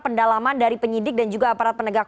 pendalaman dari penyidik dan juga aparat penegak